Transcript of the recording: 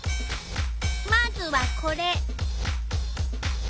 まずはこれ。